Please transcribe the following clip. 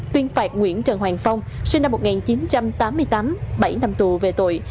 tuyên phạt nguyễn trần hoàng phong sinh năm một nghìn chín trăm tám mươi tám bảy năm tù về tội